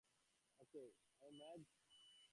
পাগল হলে নাকি?